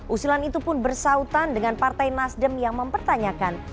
usulan itu pun bersautan dengan partai nasdem yang mempertanyakan